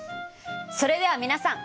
それでは皆さん